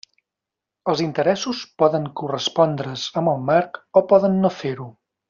Els interessos poden correspondre's amb el marc o poden no fer-ho.